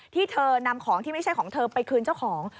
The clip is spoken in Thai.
ที่เธอนำของที่ไม่ใช่ของเธอไปคืนเจ้าของ